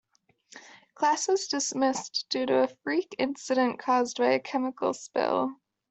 Class was dismissed due to a freak incident caused by a chemical spill.